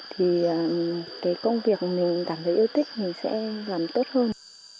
thì cái công việc mà mình cảm thấy yêu thích mình sẽ làm tốt hơn